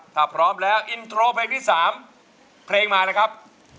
ถ้าพร้อมแล้วอินโทรเพลงที่๓เพลงมาเลยครับ